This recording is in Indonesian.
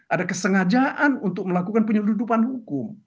ada kesengajaan untuk melakukan penyeludupan hukum